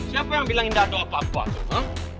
siapa yang bilang indah doa apa apa tuh